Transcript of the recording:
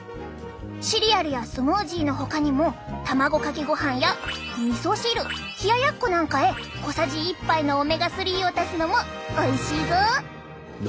シリアルやスムージーのほかにも卵かけごはんやみそ汁冷やっこなんかへ小さじ１杯のオメガ３を足すのもおいしいぞ！